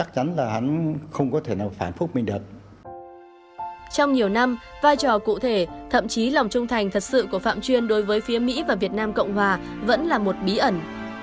trong nhiều năm vai trò cụ thể thậm chí lòng trung thành thật sự của phạm chuyên đối với phía mỹ và việt nam cộng hòa vẫn là một bí ẩn